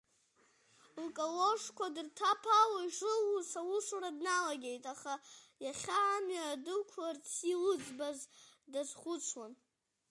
Лкалошқәадырҭаԥало, ишылуц аусура дналагеит, аха иахьа амҩа дықәларц илыӡбаз дазхәыцуан.